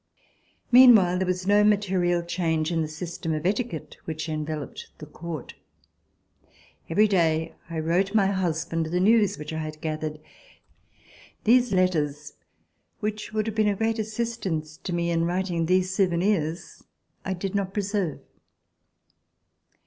Meanwhile there was no material change in the system of etiquette which enveloped the Court. Every day I wrote my husband the news which I had gathered. These letters, which would have been of great assistance to me in writing these souvenirs, I did not preserve.